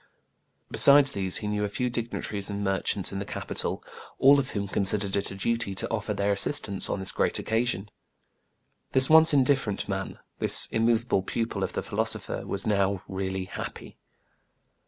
Besides these he knew a few dignitaries and merchants in the capital, all of whom considered it a duty to offer their assist ance on this great occasion. This once indifferent man, this immovable pupil of the philosopher, was now really happy.